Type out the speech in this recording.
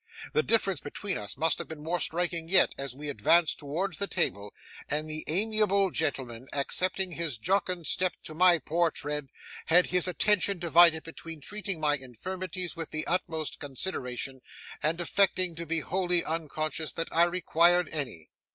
The difference between us must have been more striking yet, as we advanced towards the table, and the amiable gentleman, adapting his jocund step to my poor tread, had his attention divided between treating my infirmities with the utmost consideration, and affecting to be wholly unconscious that I required any.